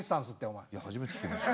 いや初めて聞きました。